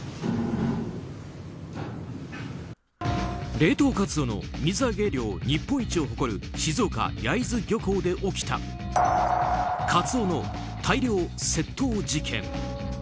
冷凍カツオの水揚げ量日本一を誇る静岡・焼津漁港で起きたカツオの大量窃盗事件。